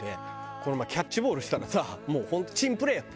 この前キャッチボールしたらさもう本当珍プレーやって。